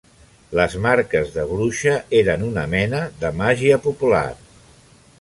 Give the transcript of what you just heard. Les marques de bruixa eren una mena de màgia popular.